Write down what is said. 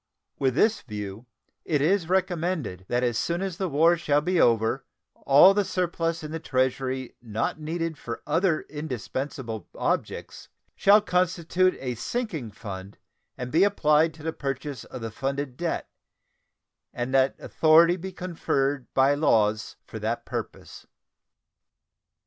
With this view, it is recommended that as soon as the war shall be over all the surplus in the Treasury not needed for other indispensable objects shall constitute a sinking fund and be applied to the purchase of the funded debt, and that authority be conferred by laws for that purpose.